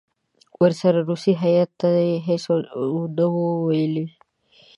ورسره روسي هیات ته یې هېڅ نه وو ویلي.